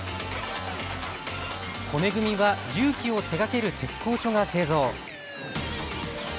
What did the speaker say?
骨組みは重機を手がける鉄工所が製造。